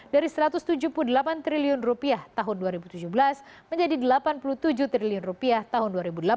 dari rp satu ratus tujuh puluh delapan triliun tahun dua ribu tujuh belas menjadi rp delapan puluh tujuh triliun tahun dua ribu delapan belas